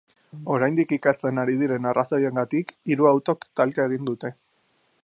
Oraindik ikertzen ari diren arrazoiengatik, hiru autok talka egin dute.